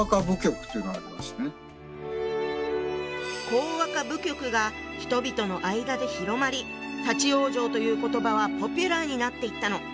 幸若舞曲が人々の間で広まり「立往生」という言葉はポピュラーになっていったの。